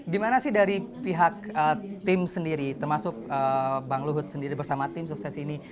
gimana sih dari pihak tim sendiri termasuk bang luhut sendiri bersama tim sukses ini